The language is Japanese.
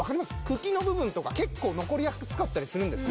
茎の部分とか結構残りやすかったりするんです